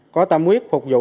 có tâm quyết phục vụ